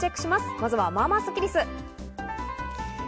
まずは、まあまあスッキりす。